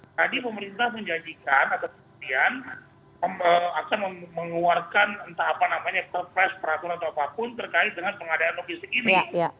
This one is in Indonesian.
tadi pemerintah menjanjikan atau kemudian akan mengeluarkan entah apa namanya perpres peraturan atau apapun terkait dengan pengadaan logistik ini